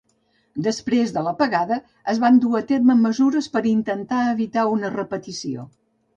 Després de l'apagada, es van dur a terme mesures per intentar evitar una repetició.